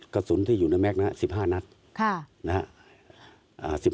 กระสุนที่อยู่ในแม็กซ์นะครับ๑๕นัดนะครับ